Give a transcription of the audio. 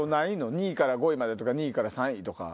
２位から５位とか２位から３位。